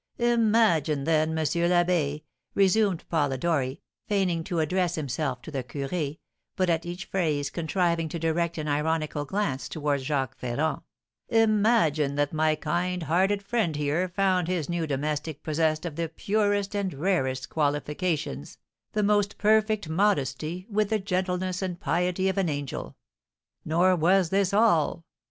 "Imagine, then, M. l'Abbé," resumed Polidori, feigning to address himself to the curé, but at each phrase contriving to direct an ironical glance towards Jacques Ferrand, "imagine that my kind hearted friend here found his new domestic possessed of the purest and rarest qualifications, the most perfect modesty, with the gentleness and piety of an angel; nor was this all.